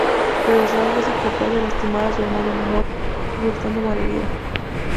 Pero Sango es incapaz de lastimar a su hermano menor, resultando mal herida.